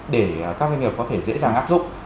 để các doanh nghiệp có thể dễ dàng áp dụng